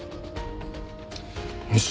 よし。